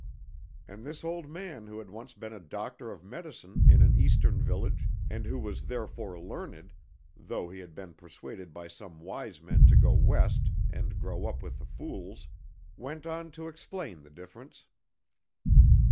And this old man who had once been a doctor of medicine in an Eastern village and who was therefore learned, though he had been persuaded by some Wise men to go West and grow up with the Fools, went on to explain the difference.